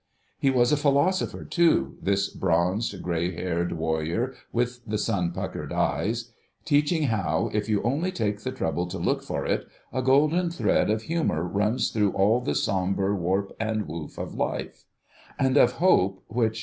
He was a philosopher too, this bronzed, grey haired, warrior with the sun puckered eyes: teaching how, if you only take the trouble to look for it, a golden thread of humour runs through all the sombre warp and woof of life; and of "Hope which